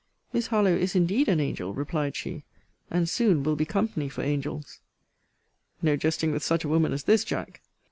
Miss Harlowe is indeed an angel, replied she; and soon will be company for angels. No jesting with such a woman as this, Jack.